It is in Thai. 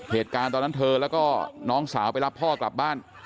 เหตุการณ์ตอนนั้นเธอแล้วก็น้องสาวไปรับพ่อกลับบ้าน